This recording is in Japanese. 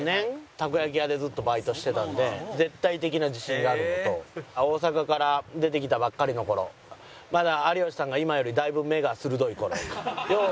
たこ焼き屋でずっとバイトしてたので絶対的な自信があるのと大阪から出てきたばっかりの頃まだ有吉さんが今よりだいぶ目が鋭い頃よう